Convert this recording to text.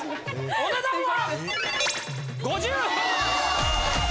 お値段は？